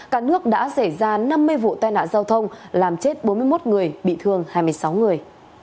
cả nước đã xảy ra năm mươi vụ tai nạn giao thông làm chết bốn mươi một người bị thương hai mươi sáu người